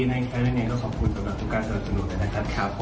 ในแคล่นี้เนี่ยก็ขอบคุณกันเอาจะโน้ตนะครับ